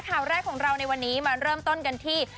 ข่าวแรกของเราในวันนี้มาเริ่มต้นกันที่